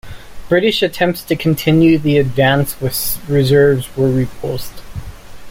British attempts to continue the advance with the reserves were repulsed.